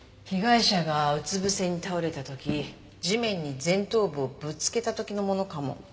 被害者がうつ伏せに倒れた時地面に前頭部をぶつけた時のものかも。